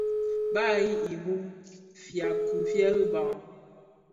Bàb i iru fyàbki fyëë rembàg.